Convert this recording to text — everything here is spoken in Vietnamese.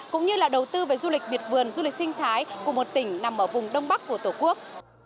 cũng như là đầu tư về du lịch biệt vườn du lịch sinh thái của một tỉnh nằm ở vùng đông bắc của tổ quốc